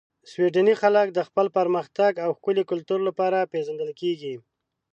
سویدني خلک د خپل پرمختګ او ښکلي کلتور لپاره پېژندل کیږي.